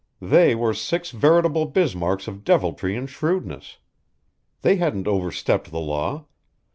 They were six veritable Bismarcks of deviltry and shrewdness. They hadn't over stepped the law.